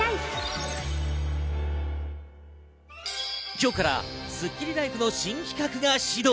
今日からスッキリＬＩＦＥの新企画が始動！